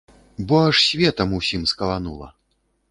Бо аж светам усім скаланула.